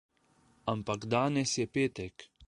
Ampak danes je petek.